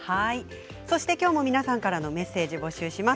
今日も皆さんからのメッセージを募集します。